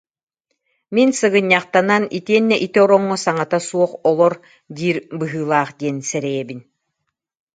Мин «сыгынньахтанан, итиэннэ ити ороҥҥо саҥата суох олор» диир быһыылаах диэн сэрэйэбин